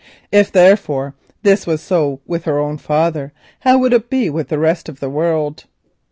If, therefore, this was so with her own father, how would it be with the rest of the world?